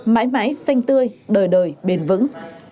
mãi mãi xanh tươi đời đời bền vững